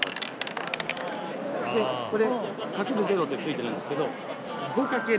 でこれ「×０」ってついてるんですけど。